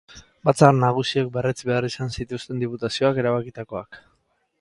Batzar Nagusiek berretsi behar izaten zituzten Diputazioak erabakitakoak.